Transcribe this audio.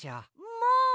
もう！